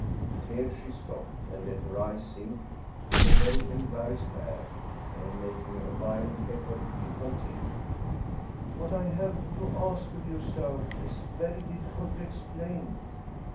Here she stopped, and let her eyes sink with a very em barrassed air; then, making a violent effort, she con tinued : "What I have to ask of you, sir, is very difficult to explain."